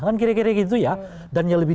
kan kira kira gitu ya dan yang lebih